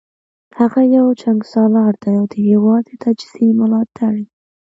هغه یو جنګسالار دی او د هیواد د تجزیې ملاتړی